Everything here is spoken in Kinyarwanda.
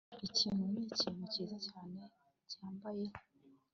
Iki nikintu cyiza cyane cyambayeho